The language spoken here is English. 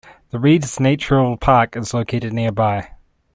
The Redes Natural Park is located nearby.